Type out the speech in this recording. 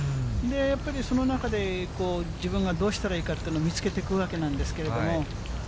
やっぱりその中で、自分がどうしたらいいかっていうのを、見つけていくわけなんですけれども。